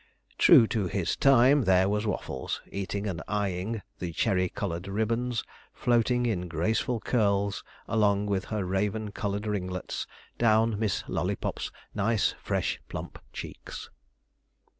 True to his time, there was Waffles, eating and eyeing the cherry coloured ribbons, floating in graceful curls along with her raven coloured ringlets, down Miss Lollypop's nice fresh plump cheeks.